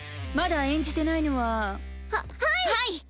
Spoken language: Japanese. まだ演じてないのは。ははい！